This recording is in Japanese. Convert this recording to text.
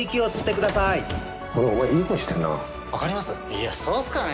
いやそうっすかね。